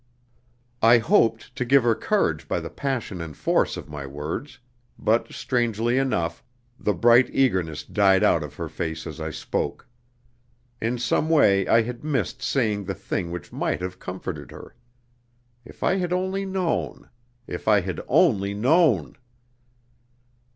I hoped to give her courage by the passion and force of my words, but, strangely enough, the bright eagerness died out of her face as I spoke. In some way I had missed saying the thing which might have comforted her. If I had only known if I had only known!